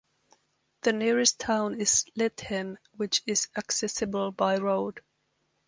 The nearest town is Lethem which is accessible by road.